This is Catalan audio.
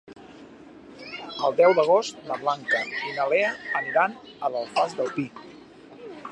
El deu d'agost na Blanca i na Lea aniran a l'Alfàs del Pi.